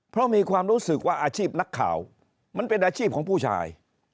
เพราะมีความรู้สึกว่าอาชีพนักข่าวมันเป็นอาชีพของผู้ชาย